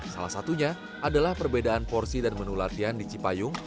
salah satunya adalah perbedaan porsi dan menu latihan di cipayung